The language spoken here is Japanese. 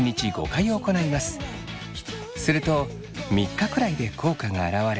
すると３日くらいで効果があらわれ